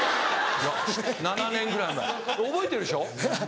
７年ぐらい前覚えてるでしょ？